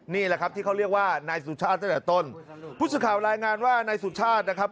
นี่แหละครับที่เขาเรียกว่านายสุชาติตั้งแต่ต้นผู้สื่อข่าวรายงานว่านายสุชาตินะครับ